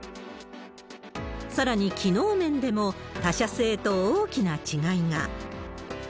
さらに、機能面でも他社製と大きな違いが。